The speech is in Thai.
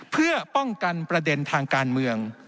เพื่อป้องกันประเด็นทางการเมือง